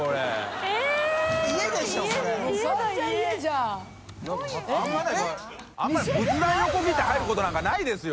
△鵑泙仏壇横切って入ることなんかないですよ